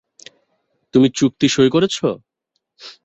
তুমি চুক্তি সই করেছ?